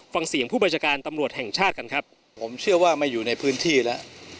ฟังเสียงผู้บัญชาการตำรวจแห่งชาติกันครับผมเชื่อว่าไม่อยู่ในพื้นที่แล้ว